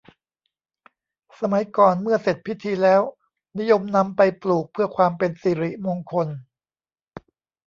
สมัยก่อนเมื่อเสร็จพิธีแล้วนิยมนำไปปลูกเพื่อความเป็นสิริมงคล